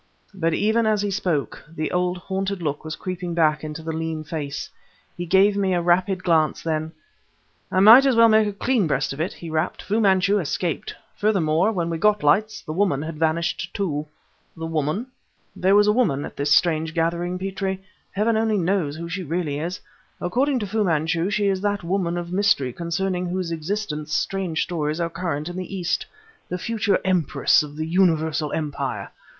But, even as he spoke, the old, haunted look was creeping back into the lean face. He gave me a rapid glance; then: "I might as well make a clean breast of it," he rapped. "Fu Manchu escaped! Furthermore, when we got lights, the woman had vanished, too." "The woman!" "There was a woman at this strange gathering, Petrie. Heaven only knows who she really is. According to Fu Manchu she is that woman of mystery concerning whose existence strange stories are current in the East; the future Empress of a universal empire!